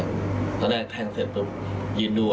ยังไม่ถึงครึ่งเดือนนะครับ